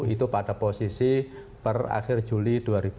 itu pada posisi per akhir juli dua ribu dua puluh